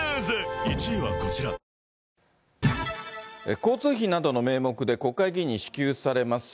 交通費などの名目で国会議員に支給されます